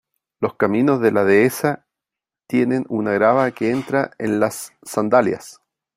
Los caminos de la Dehesa tienen una grava que entra en las sandalias.